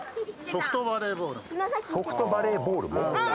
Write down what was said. ソフトバレーボールも？